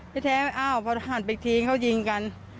ที่แท้ว่าอ้าวพอหันไปทิ้งเขายิงกัน